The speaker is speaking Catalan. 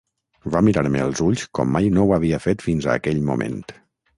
Va mirar-me als ulls com mai no ho havia fet fins a aquell moment...